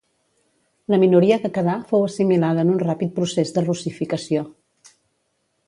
La minoria que quedà fou assimilada en un ràpid procés de russificació.